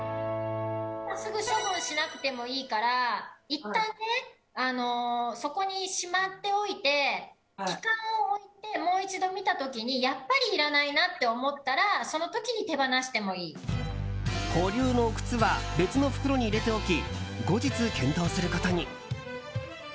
すぐ処分しなくてもいいからいったんそこに閉まっておいて期間を置いて、もう一度見た時にやっぱりいらないなと思ったらその時に保留の靴は別の袋に入れておき後日、検討することに。